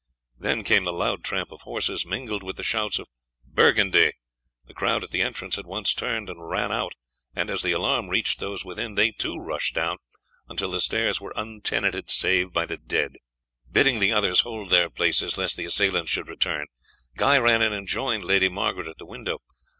Then came the loud tramp of horses, mingled with shouts of "Burgundy!" The crowd at the entrance at once turned and ran out, and as the alarm reached those within, they too rushed down, until the stairs were untenanted save by the dead. Bidding the others hold their places lest the assailants should return, Guy ran in and joined Lady Margaret at the window.